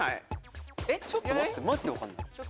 ちょっと待ってマジで分かんない。